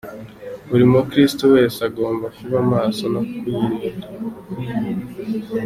Buri mukiristo wese agomba kuba maso no kuyirinda.